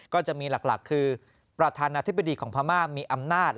ก็จะมีหลักคือประธานาธิบดีของพม่ามีอำนาจ